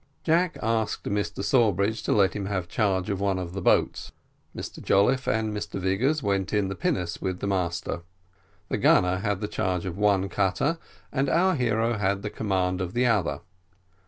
Jack asked Mr Sawbridge to let him have charge of one of the boats. Mr Jolliffe and Mr Vigors went in the pinnace with the master. The gunner had the charge of one cutter, and our hero had the command of the other.